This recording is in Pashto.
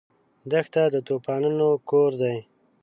دښته د طوفانونو کور دی.